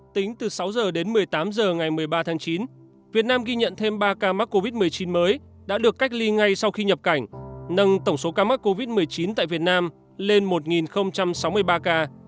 tính từ sáu h đến một mươi tám h ngày một mươi ba tháng chín việt nam ghi nhận thêm ba ca mắc covid một mươi chín mới đã được cách ly ngay sau khi nhập cảnh nâng tổng số ca mắc covid một mươi chín tại việt nam lên một sáu mươi ba ca